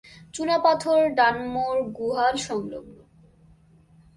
চুনাপাথর, ডানমোর গুহা সংলগ্ন।